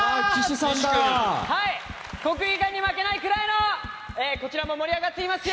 国技館に負けないくらいの、こちらも盛り上がっていますよ。